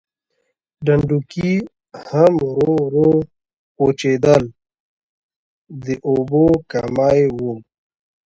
ډنډونکي هم ورو ورو وچېدل د اوبو کمی و.